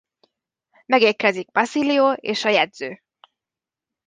Megérkezik Basilio és a jegyző.